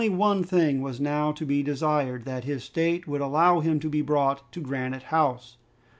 One thing only was now to be desired, that his state would allow him to be brought to Granite House.